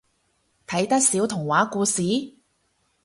睇得少童話故事？